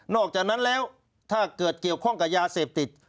อกจากนั้นแล้วถ้าเกิดเกี่ยวข้องกับยาเสพติด